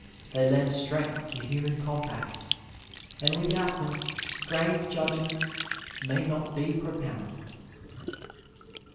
They lend strength to human compacts, and without them grave judgments may not be propounded.